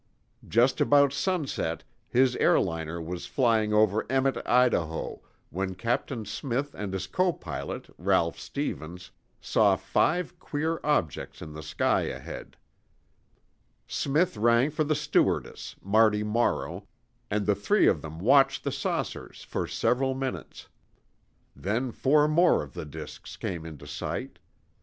Just about sunset, his airliner was flying over Emmett, Idaho, when Captain Smith and his copilot, Ralph Stevens, saw five queer objects in the sky ahead. Smith rang for the stewardess, Marty Morrow, and the three of them watched the saucers for several minutes. Then four more of the disks came into sight.